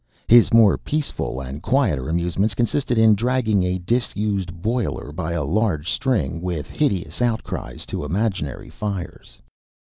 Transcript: His more peaceful and quieter amusements consisted in dragging a disused boiler by a large string, with hideous outcries, to imaginary fires.